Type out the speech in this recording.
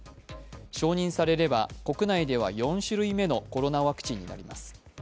承認されれば国内では４種類目のコロナワクチンになります。